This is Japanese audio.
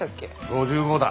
５５だ。